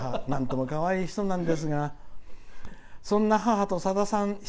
なんともかわいい人なんですがそんな母と、さださん